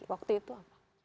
waktu itu apa